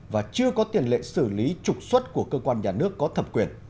và chưa có tiền lệ xử lý trục xuất của cơ quan nhà nước có thẩm quyền